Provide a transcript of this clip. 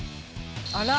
あら！